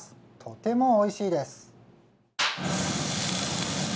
とてもおいしいです。